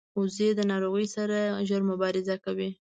وزې د ناروغۍ سره ژر مبارزه کوي